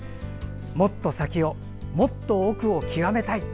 もっと先を、もっと奥を究めたい。